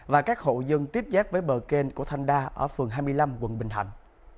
và các hộ dân tiếp giáp với bờ kênh của thanh đa ở phường hai mươi năm quận bình thạnh